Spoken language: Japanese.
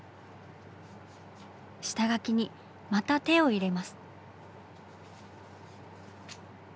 下描きにまた手を入れます。